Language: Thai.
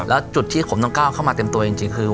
แล้วจุดที่ผมต้องก้าวเข้ามาเต็มตัวจริงคือ